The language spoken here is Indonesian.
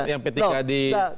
yang pt kd